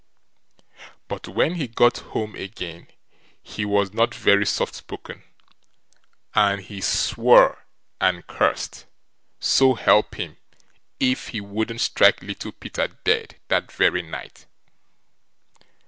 But when he got home again, he was not very soft spoken, and he swore and cursed; so help him, if he wouldn't strike Little Peter dead that very night.